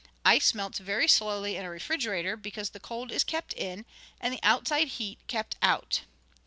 Ice melts very slowly in a refrigerator because the cold is kept in, and the outside heat kept out."